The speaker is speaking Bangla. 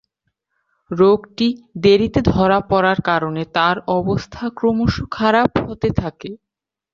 রোগটি দেরিতে ধরা পড়ার কারণে তার অবস্থা ক্রমশ খারাপ হতে থাকে।